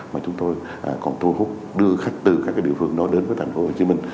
mà chúng tôi còn thu hút đưa khách từ các địa phương đó đến với thành phố hồ chí minh